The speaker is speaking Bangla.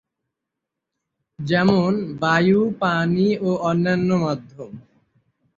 যেমন: বায়ু, পানি ও অন্যান্য মাধ্যম।